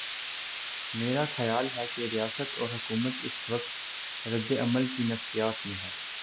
میرا خیال ہے کہ ریاست اور حکومت اس وقت رد عمل کی نفسیات میں ہیں۔